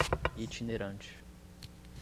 itinerante